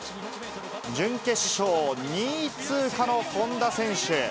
準決勝２位通過の本多選手。